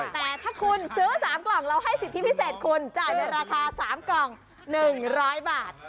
แต่ถ้าคุณซื้อ๓กล่องเราให้สิทธิพิเศษคุณจ่ายในราคา๓กล่อง๑๐๐บาท